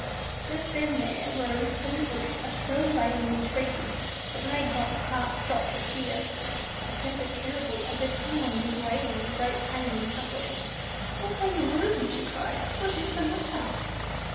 Just then there arose from the bush a shrill wailing and shrieking that made Dot's heart stop with fear. It sounded terrible, as if something was wailing in great pain and suffering. "Oh Kangaroo!" she cried, "what is the matter?"